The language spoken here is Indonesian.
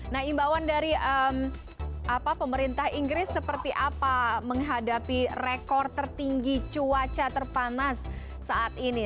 nah imbauan dari pemerintah inggris seperti apa menghadapi rekor tertinggi cuaca terpanas saat ini